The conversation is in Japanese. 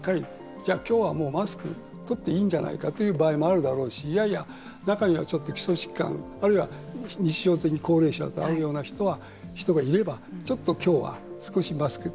じゃあ、今日はマスク取っていいんじゃないかという場合もあるだろうしいやいや、中にはちょっと基礎疾患あるいは日常的に高齢者に会うような人がいればちょっと今日は少しマスクをと。